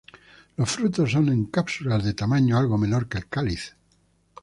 Los frutos son en cápsulas de tamaño algo menor que el cáliz.